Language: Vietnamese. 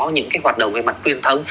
những cái hoạt động về mặt quyền thông